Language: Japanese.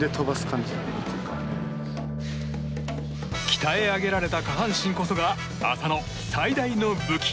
鍛え上げられた下半身こそが浅野最大の武器。